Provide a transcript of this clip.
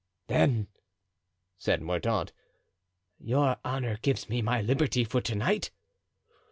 "Then," said Mordaunt, "your honor gives me my liberty for to night?"